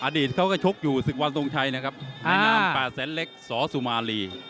อดีตเขาก็ชกอยู่ศึกวันทรงชัยนะครับในนาม๘แสนเล็กสสุมารี